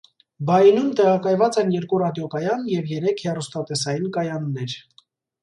Բայինում տեղակայված են երկու ռադիոկայան և երեք հեռուստատեսային կայաններ։